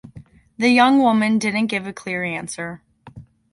The young woman didn’t give a clear answer.